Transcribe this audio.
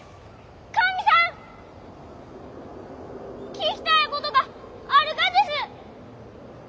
聞きたいことがあるがです！